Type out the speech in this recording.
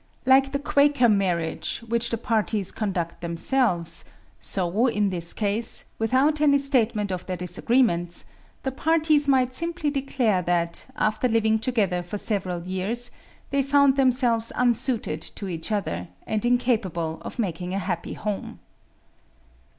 Like the Quaker marriage, which the parties conduct themselves, so, in this case, without any statement of their disagreements, the parties might simply declare that, after living together for several years, they found themselves unsuited to each other, and incapable of making a happy home.